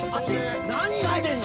何やってんの！？